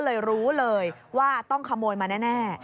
เลยรู้เลยว่าต้องขโมยมาแน่